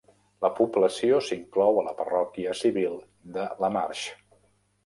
La població s'inclou a la parròquia civil de Lamarsh.